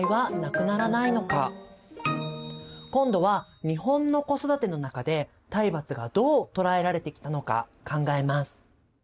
今度は日本の子育ての中で体罰がどう捉えられてきたのか考えます。